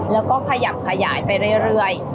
แล้วก็ขยับขยายไปเรื่อย